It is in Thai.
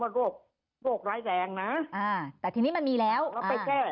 โรคโรคร้ายแรงนะอ่าแต่ทีนี้มันมีแล้วแล้วไปแก้